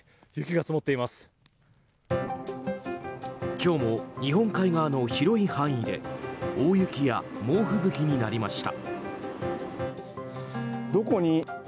今日も日本海側の広い範囲で大雪や猛吹雪になりました。